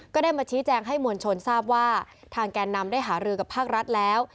ก็ได้มาชี้แจงให้มวลชนทราบว่าทางแก่นำได้หารือกับภาครัฐแล้ว